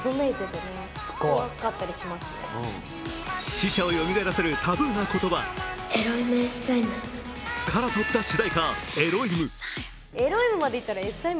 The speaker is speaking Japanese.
死者をよみがえらせるタブーな言葉。から取った主題歌